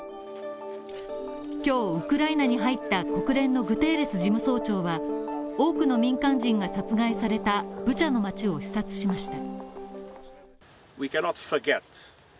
今日ウクライナに入った国連のグテーレス事務総長は多くの民間人が殺害されたブチャの町を視察しました。